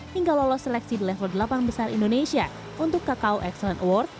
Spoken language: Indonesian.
hingga lolos seleksi di level delapan besar indonesia untuk kakao excellent award